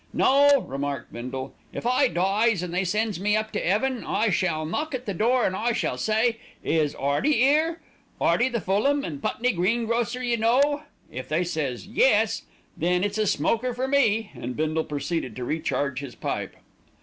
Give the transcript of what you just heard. "No," remarked Bindle, "if I dies an' they sends me up to 'eaven, I shall knock at the door, an' I shall say, 'Is 'Earty 'ere? 'Earty the Fulham and Putney greengrocer, you know.' If they says 'Yes,' then it's a smoker for me;" and Bindle proceeded to re charge his pipe.